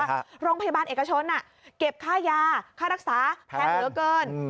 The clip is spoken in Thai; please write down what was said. โรงพยาบาลเอกชนเก็บค่ายาค่ารักษาแพงเหลือเกิน